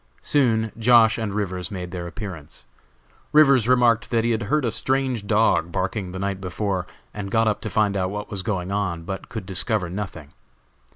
Soon Josh. and Rivers made their appearance. Rivers remarked that he had heard a strange dog barking the night before, and got up to find out what was going on, but could discover nothing.